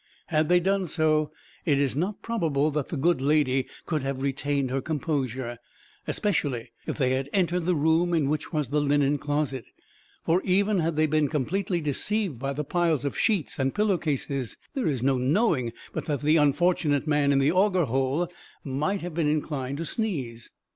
Had they done so, it, is not probable that the good lady could have retained her composure, especially if they had entered the room in which was the linen closet; for, even had they been completely deceived by the piles of sheets and pillowcases, there is no knowing but that the unfortunate man in the "Auger Hole" might have been inclined to sneeze.